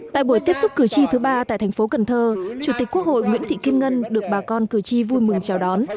tại buổi tiếp xúc cử tri thứ ba tại thành phố cần thơ chủ tịch quốc hội nguyễn thị kim ngân được bà con cử tri vui mừng chào đón